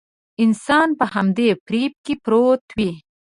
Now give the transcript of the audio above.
انسان په همدې فريب کې پروت وي.